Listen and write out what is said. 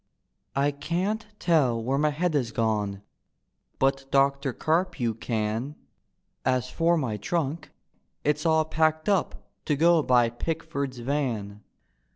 " I can't tell where ray head is gone, But Doctor Carpue can; As for my trunk, it's all packed up To go by Pickford's van.